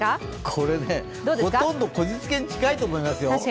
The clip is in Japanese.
これね、ほとんどこじつけに近いと思いますよ。